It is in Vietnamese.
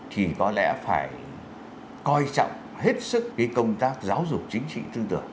thì có lẽ phải coi trọng hết sức với công tác giáo dục chính trị tư tưởng